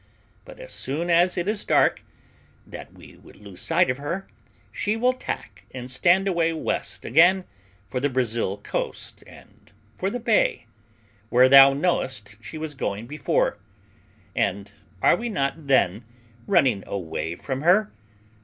But as soon as it is dark, that we would lose sight of her, she will tack and stand away west again for the Brazil coast and for the bay, where thou knowest she was going before; and are we not, then, running away from her?